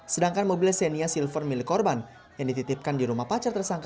sedangkan mobil senia silver milik korban yang dititipkan di rumah pacar tersangka